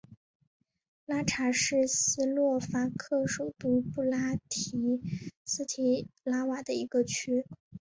拉察是斯洛伐克首都布拉提斯拉瓦的一个区。